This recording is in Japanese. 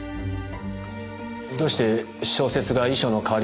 どうして小説が遺書の代わりになるんです？